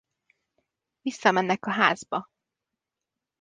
Visszamennek a házba.